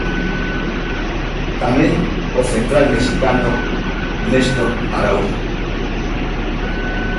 Tamén o central mexicano Néstor Araújo.